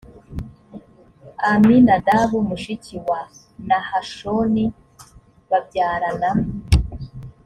aminadabu mushiki wa nahashoni babyarana